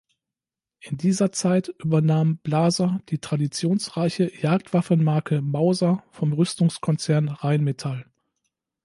In dieser Zeit übernahm Blaser die traditionsreiche Jagdwaffen-Marke Mauser vom Rüstungskonzern Rheinmetall.